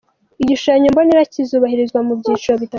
Igishushanyo mbonera kizubahirizwa mu byiciro bitatu.